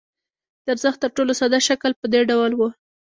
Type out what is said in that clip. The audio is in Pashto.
د ارزښت تر ټولو ساده شکل په دې ډول وو